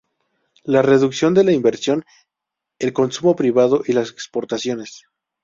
La reducción de la inversión, el consumo privado y las exportaciones.